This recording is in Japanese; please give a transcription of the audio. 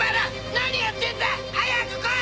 何やってんだ早く来い！